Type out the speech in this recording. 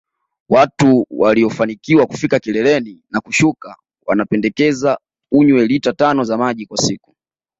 Watu waliofanikiwa kufika kileleni na kushuka wanapendekeza unywe lita tano za maji kwa siku